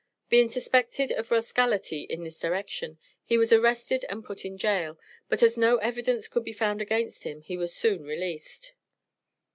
Being suspected of "rascality" in this direction, he was arrested and put in jail, but as no evidence could be found against him he was soon released.